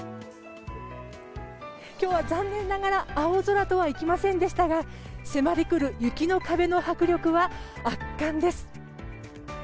今日は残念ながら青空とはいきませんでしたが迫りくる雪の壁の迫力は圧巻です。